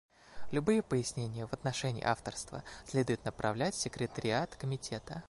Любые пояснения в отношении авторства следует направлять в секретариат Комитета.